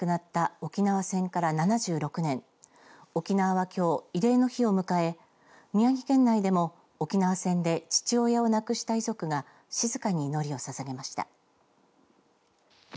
沖縄はきょう慰霊の日を迎え宮城県内でも沖縄戦で父親を亡くした遺族が静かに祈りをささげました。